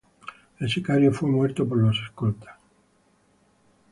El sicario fue muerto por los escoltas.